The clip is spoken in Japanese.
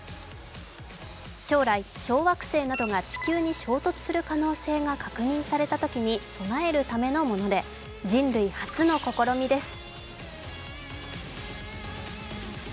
将来、小惑星などが地球に衝突する可能性が確認されたときに備えるもので、人類初の試みです。